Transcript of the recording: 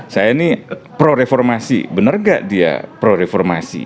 saya ini pro reformasi benar nggak dia pro reformasi